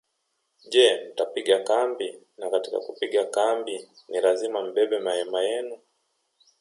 Je mtapiga kambi na katika kupiga kambi ni lazima mbebe mahema yenu